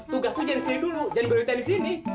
tugas lu jangan disini dulu jangan beli beli disini